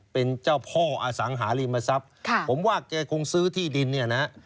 เป็นเจ้าพ่ออสังหาริมทรัพย์ผมว่าแกคงซื้อที่ดินเนี่ยนะฮะ